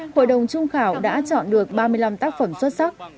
hội đồng trung khảo đã chọn được ba mươi năm tác phẩm xuất sắc